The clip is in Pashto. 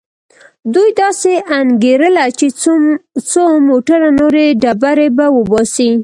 دوی داسې انګېرله چې څو موټره نورې ډبرې به وباسي.